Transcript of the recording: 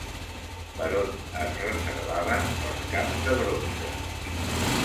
Per on es reservaven els caps de bronze?